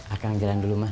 akang jalan dulu mah